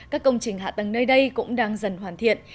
các công trình hạ tầng nơi đây cũng đang dần hoàn thiện